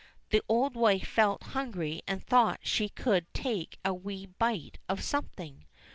the old wife felt hungry and thought she could take a wee bite of something.